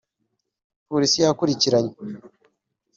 Polisi yakurikiranye